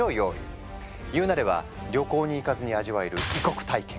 言うなれば旅行に行かずに味わえる異国体験。